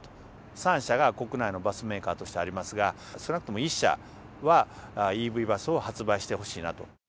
３社が国内のバスメーカーとしてありますが、少なくとも１社は、ＥＶバスを発売してほしいなと。